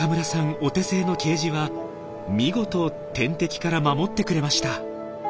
お手製のケージは見事天敵から守ってくれました。